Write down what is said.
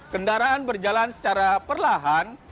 kendaraan berjalan secara perlahan